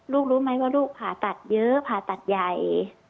รู้ไหมว่าลูกผ่าตัดเยอะผ่าตัดใหญ่